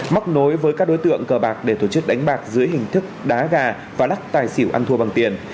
móc nối với các đối tượng cờ bạc để tổ chức đánh bạc dưới hình thức đá gà và lắc tài xỉu ăn thua bằng tiền